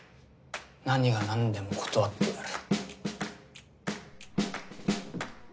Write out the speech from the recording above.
何がなんでも断ってやる！